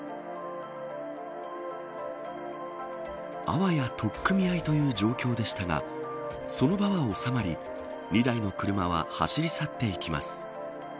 あわや取っ組み合いという状況でしたがその場は収まり２台の車は走り去っていきます。